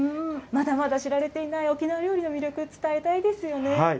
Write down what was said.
まだまだ知られていない沖縄料理の魅力、伝えたいですよね。